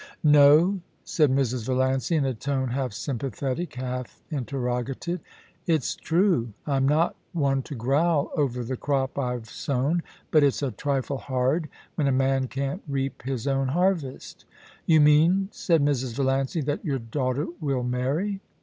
* No,' said Mrs. Valiancy, in a tone half sympathetic, half interrogative. * It's true. I'm not one to growl over the crop I've sown, but it's a trifle hard when a man can't reap his own harvest* *You mean,' said Mrs. Valiancy, *that your daughter will marry